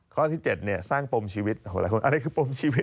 ข้อที่๗เนี่ยสร้างปมชีวิตอะไรคือปมชีวิต